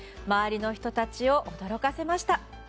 周りの人たちを驚かせました。